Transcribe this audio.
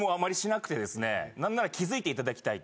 なんなら気づいていただきたいと。